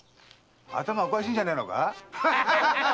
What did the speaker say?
頭おかしいんじゃないのか？